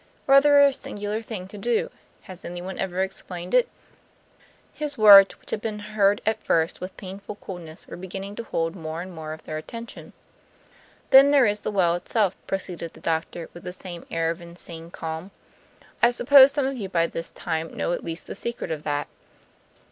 Rather a singular thing to do; has anyone ever explained it?" His words, which had been heard at first with painful coldness were beginning to hold more and more of their attention. "Then there is the well itself," proceeded the doctor, with the same air of insane calm. "I suppose some of you by this time know at least the secret of that.